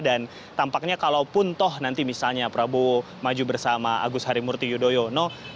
dan tampaknya kalaupun toh nanti misalnya prabowo maju bersama agus harimurti ideono